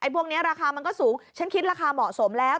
พวกนี้ราคามันก็สูงฉันคิดราคาเหมาะสมแล้ว